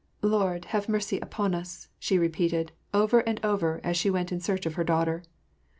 " Lord, have mercy upon us !" she repeated, over and over, as she went in search of her daughter.